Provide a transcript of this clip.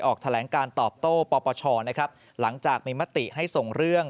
ออกแถลงการตอบโต้ปปชนะครับหลังจากมีมติให้ส่งเรื่อง